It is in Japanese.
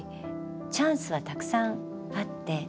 チャンスはたくさんあって。